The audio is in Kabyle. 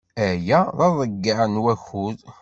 Aya d aḍeyyeɛ n wakud.